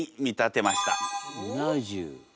うな重。